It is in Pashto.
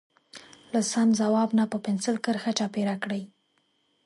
له سم ځواب نه په پنسل کرښه چاپېره کړئ.